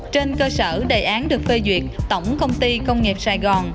trên cơ sở đề án được phê duyệt tổng công ty công nghiệp sài gòn